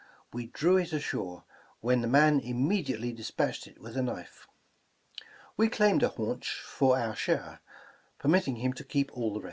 We drew it ashore, when the man immediately despatched it with a knife. We claimed a haunch for our share, permitting him to keep aU the rest.